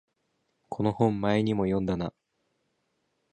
この本前にも読んだな